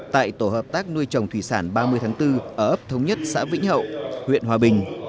tại tổ hợp tác nuôi trồng thủy sản ba mươi tháng bốn ở ấp thống nhất xã vĩnh hậu huyện hòa bình